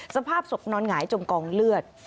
สภาพศพนอนหงายจมกองเลือด